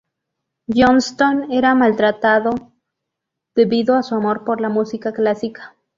Johnston era maltratado debido a su amor por la música clásica.